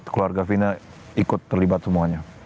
keluarga fina ikut terlibat semuanya